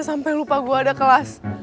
sampai lupa gue ada kelas